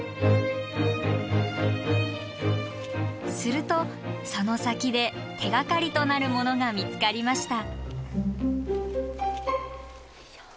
するとその先で手がかりとなるものが見つかりました。